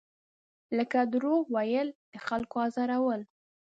لکه دروغ ویل، د خلکو ازارول.